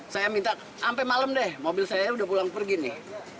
saya minta sampai malam deh mobil saya udah pulang pergi nih